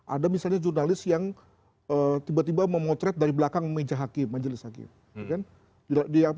ada misalnya jurnalis yang tiba tiba memotret dari belakang meja hakim majelis hakim